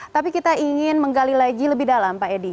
tapi kita ingin menggali lagi lebih dalam pak edi